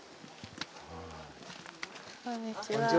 こんにちは。